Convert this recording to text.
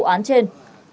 như vụ án trên